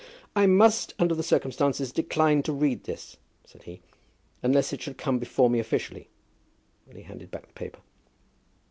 "I must, under the circumstances, decline to read this," said he, "unless it should come before me officially," and he handed back the paper.